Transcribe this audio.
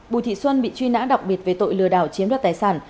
bùi thị xuân bị truy nã đặc biệt về tội lừa đảo chiếm đoạt tài sản